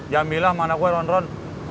jambi lah sama anak gue ron ron